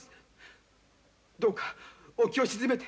どうかお気を静めて。